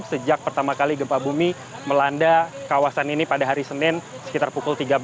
sejak pertama kali gempa bumi melanda kawasan ini pada hari senin sekitar pukul tiga belas